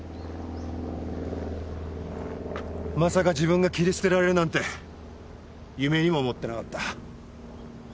まさか自分が切り捨てられるなんて夢にも思ってなかった。